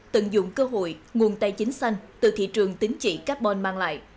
tận dụng cơ hội nguồn tài chính xanh từ thị trường tính trị carbon mang lại